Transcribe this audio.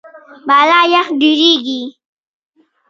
بالا یخ ډېریږي.